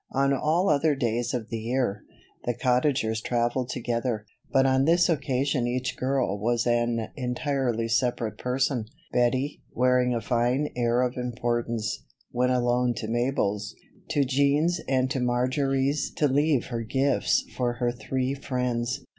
On all other days of the year, the Cottagers traveled together; but on this occasion each girl was an entirely separate person. Bettie, wearing a fine air of importance, went alone to Mabel's, to Jean's and to Marjory's to leave her gifts for her three friends.